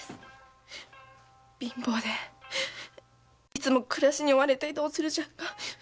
貧乏でいつも暮らしに追われていたおつるちゃんが。